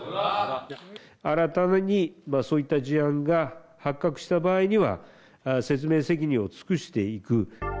新たにそういった事案が発覚した場合には、説明責任を尽くしていく。